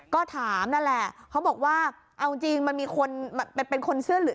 ก็ถามนั่นแหละเขาบอกว่าเอาจริงมันมีคนเป็นคนเสื้อเหลือง